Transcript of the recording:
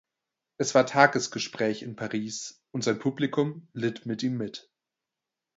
Es war Tagesgespräch in Paris und sein Publikum litt mit ihm mit.